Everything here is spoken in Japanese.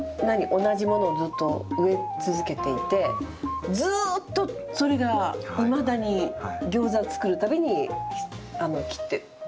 同じものをずっと植え続けていてずっとそれがいまだにギョーザ作るたびに切って。